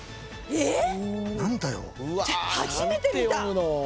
えっ！？